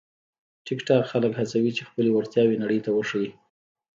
ټیکټاک خلک هڅوي چې خپلې وړتیاوې نړۍ ته وښيي.